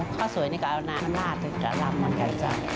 ข้าวสวยนึกออกน้ำลาดจะสะลำมันกับจ้าว